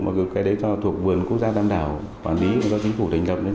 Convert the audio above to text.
mà cái đấy thuộc vườn quốc gia tam đào quản lý do chính phủ đánh đập